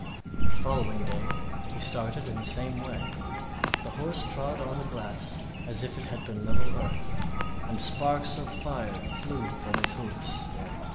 The following day he started in the same way; the horse trod on the glass as if it had been level earth, and sparks of fire flew from its hoofs.